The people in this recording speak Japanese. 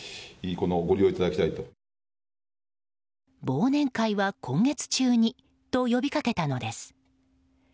忘年会は今月中にと呼びかけたのです。